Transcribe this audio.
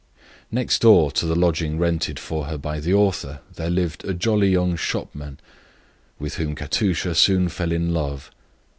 Next door to the lodging rented for her by the author there lived a jolly young shopman, with whom Katusha soon fell in love.